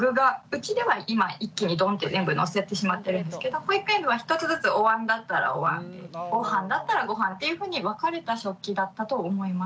うちでは今一気にドンって全部のせてしまってるんですけど保育園では１つずつおわんだったらおわんご飯だったらご飯っていうふうに分かれた食器だったと思います。